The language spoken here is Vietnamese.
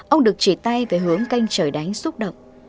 ông được chỉ tay về hướng canh trời đánh xúc động